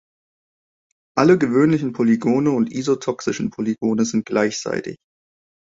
Alle gewöhnlichen Polygone und isotoxischen Polygone sind gleichseitig.